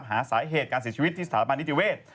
หาสาเหตุการเสียชีวิตที่สถาบันนิติเวศ